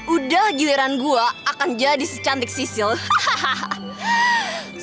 udah giliran gua akan jadi secantik sisil hahaha